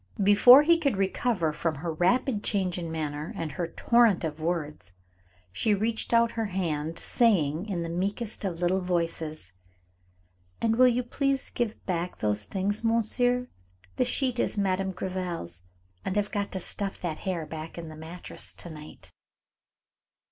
Before he could recover from her rapid change in manner and her torrent of words, she reached out her hand, saying, in the meekest of little voices, "And will you please give me back those things, monsieur? The sheet is Madame Gréville's, and I've got to stuff that hair back in the mattress to night."